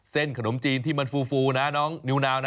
ขนมจีนที่มันฟูนะน้องนิวนาวนะ